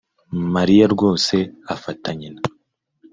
Mariya rwose afata nyina